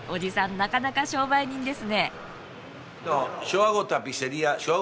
なかなか商売人ですね。